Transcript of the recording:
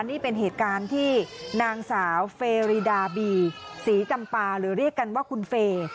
นี่เป็นเหตุการณ์ที่นางสาวเฟรีดาบีศรีจำปาหรือเรียกกันว่าคุณเฟย์